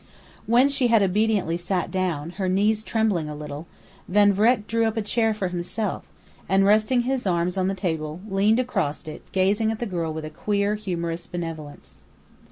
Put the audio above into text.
When she had obediently sat down, her knees trembling a little, Van Vreck drew up a chair for himself, and, resting his arms on the table, leaned across it gazing at the girl with a queer, humorous benevolence.